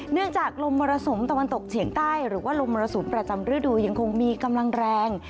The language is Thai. จากลมมรสุมตะวันตกเฉียงใต้หรือว่าลมมรสุมประจำฤดูยังคงมีกำลังแรง